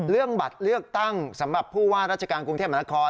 บัตรเลือกตั้งสำหรับผู้ว่าราชการกรุงเทพมหานคร